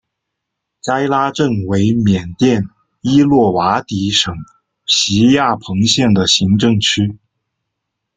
斋拉镇为缅甸伊洛瓦底省皮亚朋县的行政区。